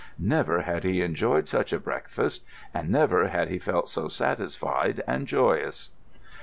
Never had he enjoyed such a breakfast, and never had he felt so satisfied and joyous.